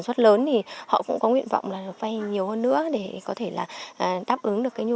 xuất lớn thì họ cũng có nguyện vọng là được vay nhiều hơn nữa để có thể là đáp ứng được cái nhu